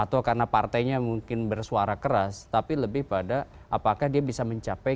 atau karena partainya mungkin bersuara keras tapi lebih pada apakah dia bisa mencapai